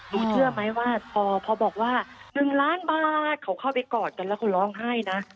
เชื่อไหมว่าพอบอกว่า๑ล้านบาทเขาเข้าไปกอดกันแล้วเขาร้องไห้นะ